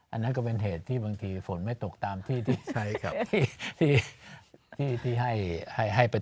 อันนั้นก็เป็นเหตุที่บางทีฝนไม่ตกตามที่ที่ใช้ครับ